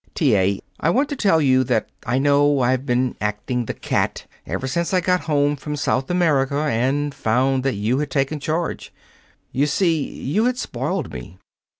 "T. A., I I want to tell you that I know I've been acting the cat ever since I got home from South America and found that you had taken charge. You see, you had spoiled me.